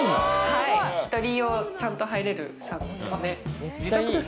１人用、ちゃんと入れるサウナですね。